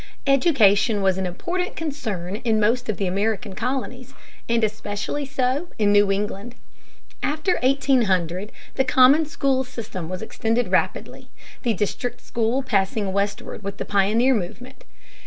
Education was an important concern in most of the American colonies, and especially so in New England. After 1800 the common school system was extended rapidly, the district school passing westward with the pioneer movement.